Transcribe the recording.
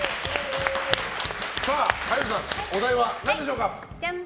早見さん、お題は何でしょうか？